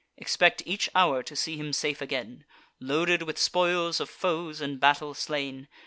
Expect each hour to see him safe again, Loaded with spoils of foes in battle slain.